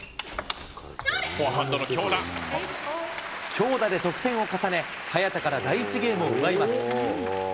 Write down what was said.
強打で得点を重ね、早田から第１ゲームを奪います。